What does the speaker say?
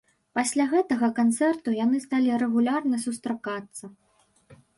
Пасля гэтага канцэрту яны сталі рэгулярна сустракацца.